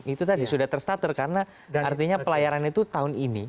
itu tadi sudah ter starter karena artinya pelayarannya itu tahun ini